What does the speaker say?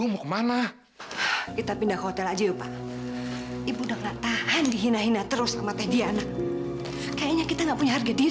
sampai jumpa di video selanjutnya